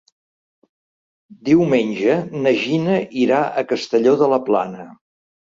Diumenge na Gina irà a Castelló de la Plana.